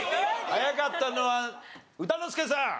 早かったのは歌之助さん。